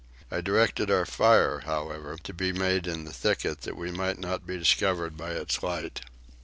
I directed our fire however to be made in the thicket that we might not be discovered by its light.